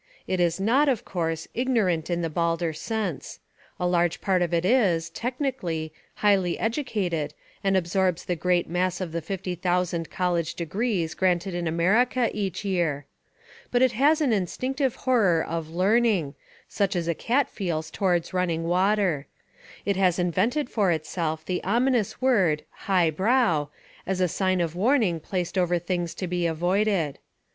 It is not, of course, ignorant in the balder sense. A large part of it is, technically, highly educated and absorbs the great mass of the fifty thousand col lege degrees granted in America each year. But it has an instinctive horror of "learning," such as a cat feels towards running water. It has invented for itself the ominous word "high brow" as a sign of warning placed over things to be avoided.